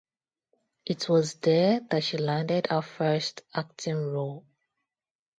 It was there that she landed her first acting role.